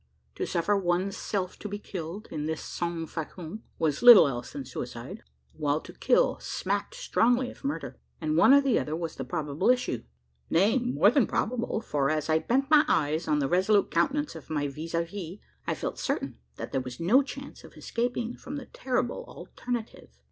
To suffer one's self to be killed, in this sans facon, was little else than suicide while to kill, smacked strongly of murder! And one or the other was the probable issue nay, more than probable: for, as I bent my eyes on the resolute countenance of my vis a vis, I felt certain that there was no chance of escaping from the terrible alternative.